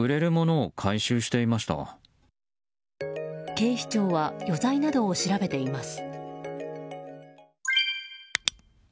警視庁は余罪などを調べています。